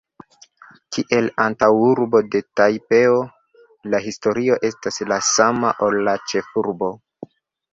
Kiel antaŭurbo de Tajpeo, la historio estas la sama, ol la ĉefurbo.